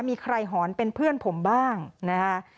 มีใครหอนเป็นเพื่อนผมบ้างนะคะ